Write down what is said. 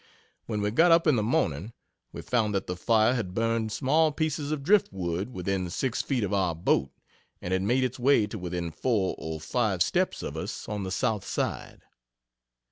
When we got up in the morning, we found that the fire had burned small pieces of drift wood within six feet of our boat, and had made its way to within 4 or 5 steps of us on the South side.